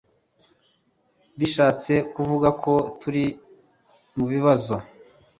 bishatse kuvuga ko turi mubibazo